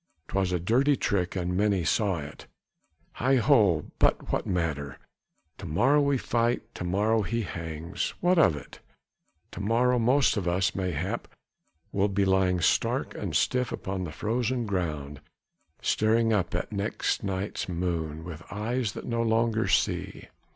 'Twas a dirty trick and many saw it. Heigh ho, but what matter! To morrow we fight, to morrow he hangs! What of that? To morrow most of us mayhap will be lying stark and stiff upon the frozen ground, staring up at next night's moon, with eyes that no longer see!